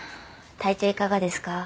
体調いかがですか？